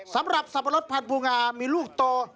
สำหรับสับปะรดพันธุงามีลูกโต